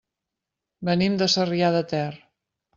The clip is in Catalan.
Venim de Sarrià de Ter.